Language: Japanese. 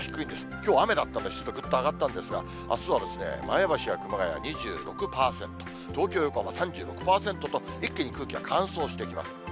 きょう雨だったんで湿度、ぐっと上がったんですが、あすはですね、前橋や熊谷２６％、東京、横浜３６％と、一気に空気が乾燥してきます。